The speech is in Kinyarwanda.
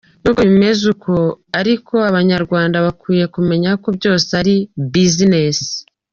N’ubwo bimeze uku ariko, abanyarwanda bakwiye kumenya ko byose ari business.